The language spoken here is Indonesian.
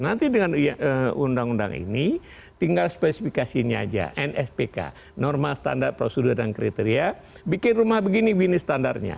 nanti dengan undang undang ini tinggal spesifikasinya aja nspk normal standard procedure and criteria bikin rumah begini winis standarnya